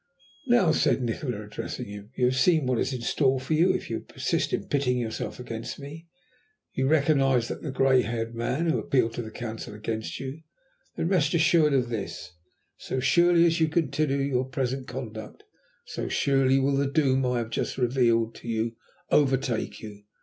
"Now," said Nikola, addressing him, "you have seen what is in store for you if you persist in pitting yourself against me. You recognized that grey haired man, who had appealed to the Council against you. Then, rest assured of this! So surely as you continue your present conduct, so surely will the doom I have just revealed to you overtake you.